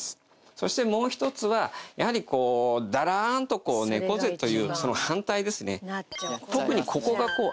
そしてもう一つはやはりこうダラーンと猫背とその反対ですね。